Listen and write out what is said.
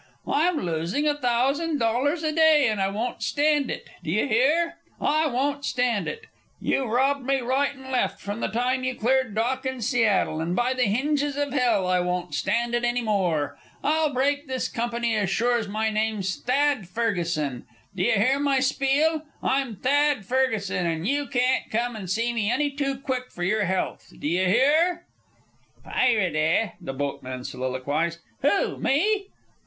I'm losing a thousand dollars a day, and I won't stand it! Do you hear? I won't stand it! You've robbed me right and left from the time you cleared dock in Seattle, and by the hinges of hell I won't stand it any more! I'll break this company as sure as my name's Thad Ferguson! D'ye hear my spiel? I'm Thad Ferguson, and you can't come and see me any too quick for your health! D'ye hear?" "Pirate; eh?" the boatman soliloquized. "Who? Me?"